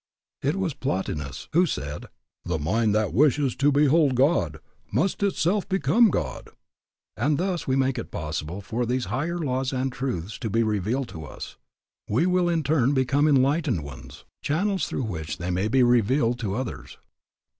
It was Plotinus who said, The mind that wishes to behold God must itself become God. As we thus make it possible for these higher laws and truths to be revealed to us, we will in turn become enlightened ones, channels through which they may be revealed to others.